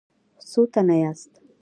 څو تنه یاست؟